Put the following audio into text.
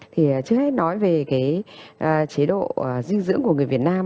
thì trước hết nói về cái chế độ dinh dưỡng của người việt nam